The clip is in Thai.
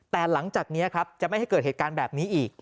แต่หลังจากนี้ครับจะไม่ให้เกิดเหตุการณ์แบบนี้อีก